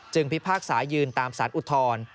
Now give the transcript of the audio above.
พิพากษายืนตามสารอุทธรณ์